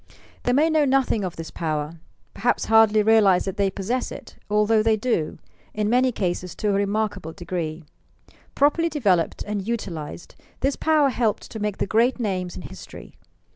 They may know nothing of this power, — perhaps hardly realize that they possess it, although they do, — in many cases, to a remarkable degree. Properly developed and utilized, this power helped to make the great names in history.